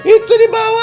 itu di bawah